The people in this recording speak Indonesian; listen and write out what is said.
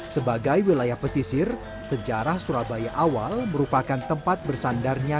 sebagai wilayah pesisir sejarah surabaya awal merupakan tempat bersandarnya